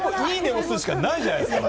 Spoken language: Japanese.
押すしかないじゃないですか。